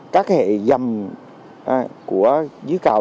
các hệ dầm của dưới cầu